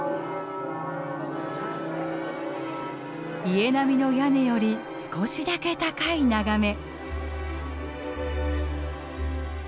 家並みの屋根より少しだけ高い眺め。